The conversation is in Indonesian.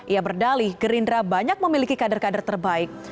ia berdalih gerindra banyak memiliki kader kader terbaik